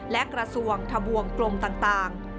และกระทรวงทะบวงกลมต่าง